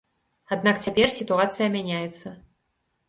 Аднак цяпер сітуацыя мяняецца.